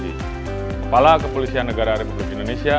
kepala kepolisian negara republik indonesia